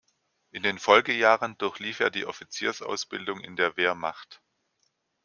In den Folgejahren durchlief er die Offiziersausbildung in der Wehrmacht.